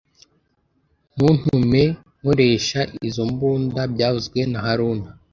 Ntuntume nkoresha izoi mbunda byavuzwe na haruna